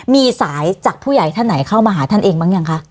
มีสายจากผู้ใหญ่ท่านไหนเข้ามาหาท่านเองบ้างยังคะ